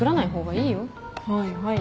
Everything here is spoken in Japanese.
はいはい。